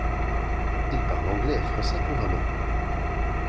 Il parle anglais et français couramment.